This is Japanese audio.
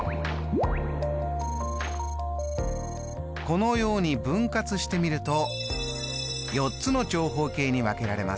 このように分割してみると４つの長方形に分けられます。